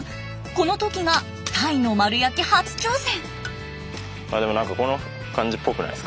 この時がタイの丸焼き初挑戦。